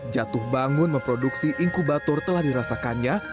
jatuh bangun memproduksi inkubator telah dirasakannya